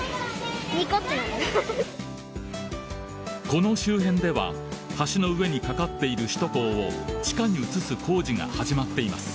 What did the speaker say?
この周辺では橋の上に架かっている首都高を地下に移す工事が始まっています。